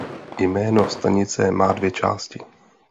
Jméno stanice má dvě části.